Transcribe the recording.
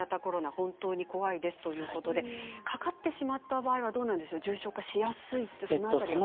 本当に怖いですということでかかってしまった場合はどうでしょうか重症化しやすいんでしょうか？